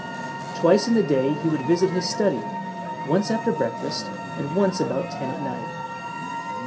Twice in the day he would visit his study, once after breakfast, and once about ten at night.